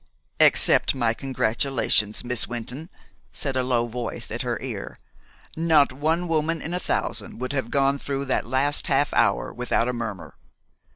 "Accept my congratulations, Miss Wynton," said a low voice at her ear. "Not one woman in a thousand would have gone through that last half hour without a murmur.